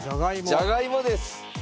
じゃがいもです。